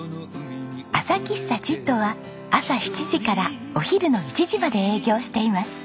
朝喫茶ちっとは朝７時からお昼の１時まで営業しています。